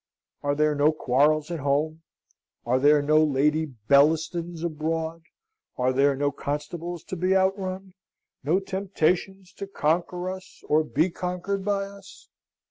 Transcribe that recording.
Are there no quarrels at home? Are there no Lady Bellastons abroad? are there no constables to be outrun? no temptations to conquer us, or be conquered by us?